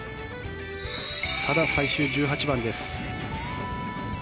ただ最終１８番です。